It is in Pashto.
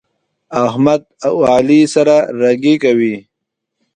احمد او علي سره رګی کوي.